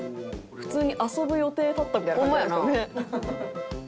普通に遊ぶ予定立ったみたいな。